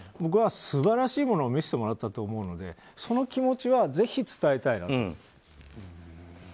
僕は素晴らしいものを見せてもらったと思うのでその気持ちはぜひ伝えたいなと。